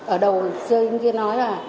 ở đầu sơ hình kia nói là